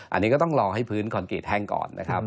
อันนี้ก็ต้องรอให้พื้นคอนกรีตแห้งก่อนนะครับ